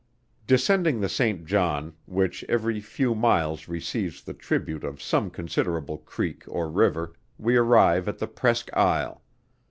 Descending the Saint John, which every few miles receives the tribute of some considerable creek or river, we arrive at the Presqu Isle.